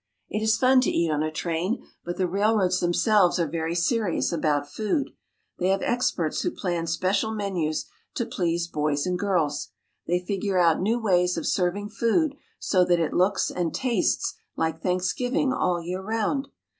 It is fun to eat on a train, but the railroads themselves are very serious about food. They have experts who plan special menus to please boys and girls. They figure out new ways of serving food so that it looks and tastes like Thanksgiving all year round.